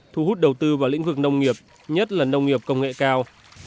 thu hút đầu tư vào lĩnh vực nông nghiệp nhất là nông nghiệp công nghệ cao